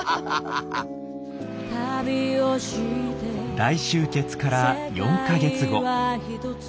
大集結から４か月後。